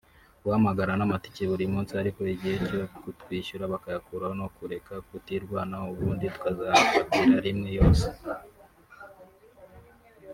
guhamagara n’amatike buri munsi ariko igihe cyo kutwishyura bakayakuraho no kureka tukirwanaho ubundi tukazayafatira rimwe yose